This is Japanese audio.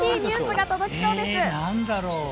何だろう？